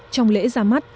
trong lễ ra mắt